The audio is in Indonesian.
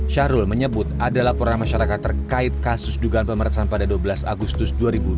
syahrul menyebut ada laporan masyarakat terkait kasus dugaan pemerasan pada dua belas agustus dua ribu dua puluh